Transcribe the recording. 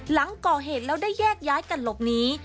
หลังก่อเหตุแล้วได้แยกย้ายกันหลบหนี